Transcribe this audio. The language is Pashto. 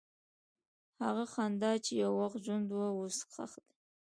هغه خندا چې یو وخت ژوند وه، اوس ښخ ده.